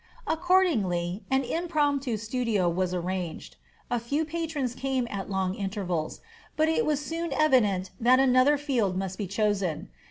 Accordingly an impromptu studio was arranged. A few patrons came at long intervals; but it was soon evident that another field must be chosen.